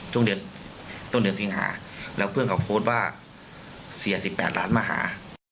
ช่วงเดือนต้นเดือนสิงหาแล้วเพื่อนเขาโพสต์ว่าเสีย๑๘ล้านมาหา